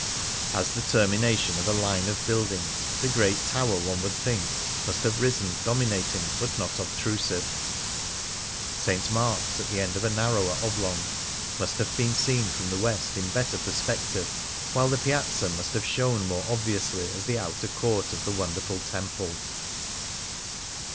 As the termination of a line of buildings, the great tower, one would think, must have risen dominating but not obtrusive; St. Mark's, at the end of a narrower oblong, must have been seen from the west in better perspective ; while the Piazza must have shown more obviously as the outer court of the wonderful temple.